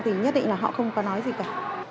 thì nhất định là họ không có nói gì cả